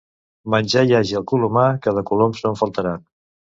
Menjar hi hagi al colomar, que de coloms no en faltaran.